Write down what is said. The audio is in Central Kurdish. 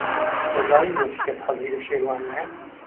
دەزانیت بۆچی کەس حەزی لە شێروان نییە؟